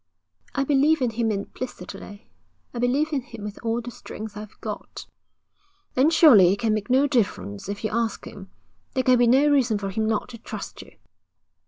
'I believe in him implicitly. I believe in him with all the strength I've got.' 'Then surely it can make no difference if you ask him. There can be no reason for him not to trust you.'